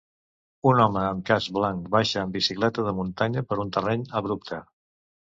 Un home amb casc blanc baixa en bicicleta de muntanya per un terreny abrupte.